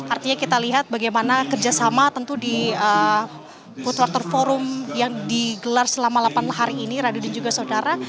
artinya kita lihat bagaimana kerjasama tentu di food rector forum yang digelar selama delapan hari ini radio dan juga saudara